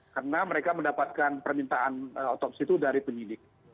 karena mereka mendapatkan permintaan otopsi itu dari penyidik